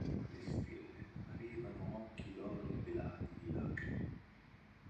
Le stelle parevano occhi d'oro velati di lacrime.